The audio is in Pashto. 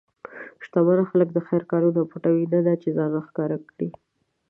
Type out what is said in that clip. شتمن خلک د خیر کارونه پټوي، نه دا چې ځان ښکاره کړي.